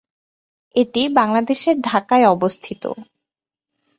এটি বাংলাদেশের ঢাকায় অবস্থিত।